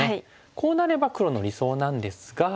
こうなれば黒の理想なんですが。